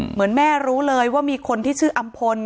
เหมือนแม่รู้เลยว่ามีคนที่ชื่ออำพล